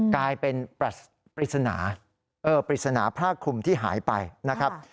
กลายเป็นปริศนาปริศนาผ้าคลุมที่หายไปนะครับ